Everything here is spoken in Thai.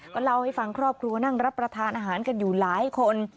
ก็เล่าให้ฟังครอบครัวนั่งรับประทานอาหารกันอยู่หลายคน